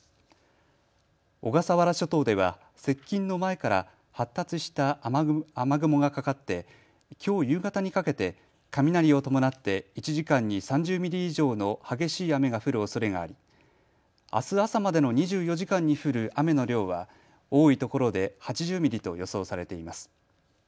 小笠原諸島では接近の前から発達した雨雲がかかってきょう夕方にかけて雷を伴って１時間に３０ミリ以上の激しい雨が降るおそれがありあす朝までの２４時間に降る雨の量は多いところで８０ミリと予想されています。